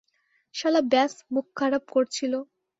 শালা ব্যস মুখ খারাপ করছিল।